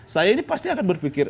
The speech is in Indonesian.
saya ini pasti akan berpikir